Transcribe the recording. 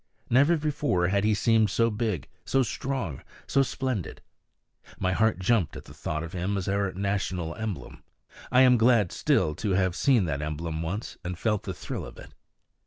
Never before had he seemed so big, so strong, so splendid; my heart jumped at the thought of him as our national emblem. I am glad still to have seen that emblem once, and felt the thrill of it.